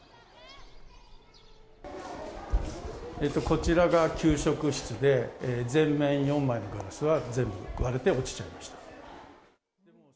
こちらが給食室で、全面４枚のガラスは、全部割れて落ちちゃいました。